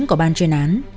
của ban chuyên án